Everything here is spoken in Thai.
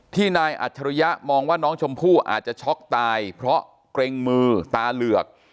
นายอัจฉริยะมองว่าน้องชมพู่อาจจะช็อกตายเพราะเกรงมือตาเหลือก